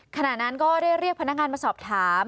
ขณะนั้นก็ได้เรียกพนักงานมาสอบถาม